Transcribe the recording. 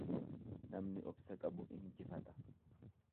Namni obsa qabu injifata.